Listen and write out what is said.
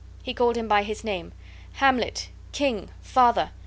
He called him by his name, "Hamlet, King, Father!"